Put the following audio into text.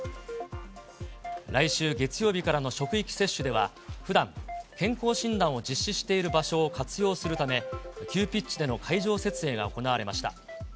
来週月曜日からの職域接種では、ふだん、健康診断を実施している場所を活用するため、急ピッチでの会場設営が行われました。